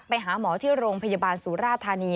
ไปหาหมอที่โรงพยาบาลสุราธานี